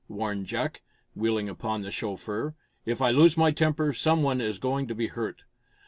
warned Jack, wheeling upon the chauffeur. "If I lose my temper, some one is going to be hurt."